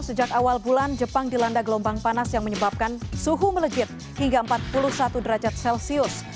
sejak awal bulan jepang dilanda gelombang panas yang menyebabkan suhu melejit hingga empat puluh satu derajat celcius